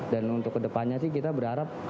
dan untuk kedepannya sih kita berharap